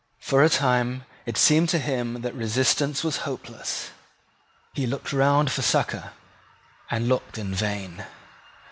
For a time it seemed to him that resistance was hopeless. He looked round for succour, and looked in vain.